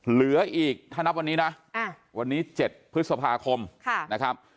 เหลืออีกถ้านับวันนี้นะวันนี้๗พฤษภาคมนะครับ